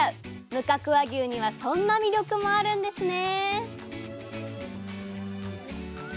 無角和牛にはそんな魅力もあるんですね